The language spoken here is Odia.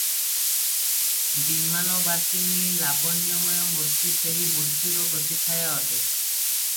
ବିମାନବାସିନୀ ଲାବଣ୍ୟମୟ ମୂର୍ତ୍ତି ସେହି ମୂର୍ତ୍ତିର ପ୍ରତିଛାୟା ଅଟେ ।